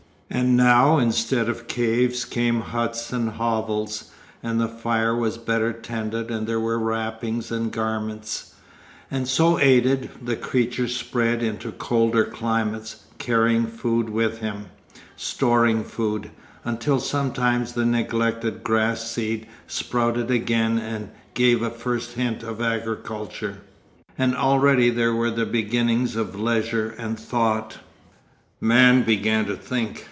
And now instead of caves came huts and hovels, and the fire was better tended and there were wrappings and garments; and so aided, the creature spread into colder climates, carrying food with him, storing food—until sometimes the neglected grass seed sprouted again and gave a first hint of agriculture. And already there were the beginnings of leisure and thought. Man began to think.